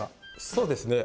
そうですね。